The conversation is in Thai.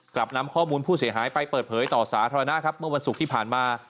กลับนำข้อมูลผู้เสียหายไปเปิดเผยต่อสาธารณะครับเมื่อวันศุกร์ที่ผ่านมา